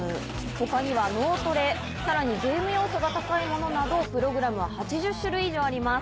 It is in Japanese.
他には脳トレさらにゲーム要素が高いものなどプログラムは８０種類以上あります。